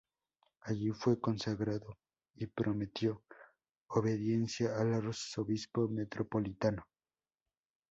Allí fue consagrado y prometió obediencia al arzobispo metropolitano.